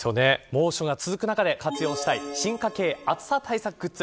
猛暑が続く中で活用したい進化形暑さ対策グッズ。